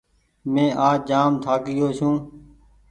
مينٚ آج جآم ٿآڪگيو ڇوٚنٚ